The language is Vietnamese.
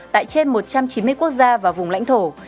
tại trên một trăm chín mươi quốc gia và vùng lãnh thổ